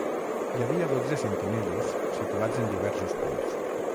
Hi havia dotze sentinelles, situats en diversos punts